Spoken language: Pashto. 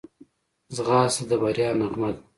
ځغاسته د بریا نغمه ده